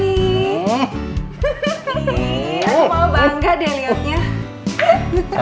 iya aku malah bangga deh liatnya